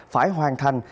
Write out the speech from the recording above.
phải hoàn thành